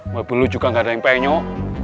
mabu lo juga gak ada yang pengen nyok